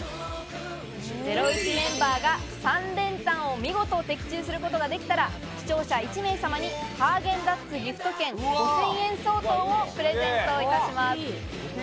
『ゼロイチ』メンバーが３連単を見事、的中することができたら視聴者１名様にハーゲンダッツギフト券５０００円相当をプレゼントいたします。